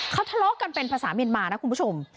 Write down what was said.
เขาทะเลาะกันเป็นภาษาเมียนมานะคุณผู้ชม